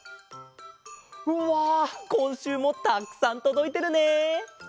うわこんしゅうもたくさんとどいてるね。